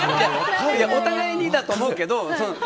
お互いにだと思うけど。